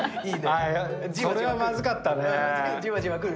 それはまずかったね。